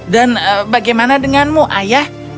dan bagaimana denganmu ayah